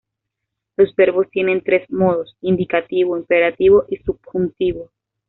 Los verbos tienen tres modos: indicativo, imperativo y subjuntivo.